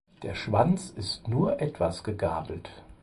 Der Schwanz ist nur etwas gegabelt.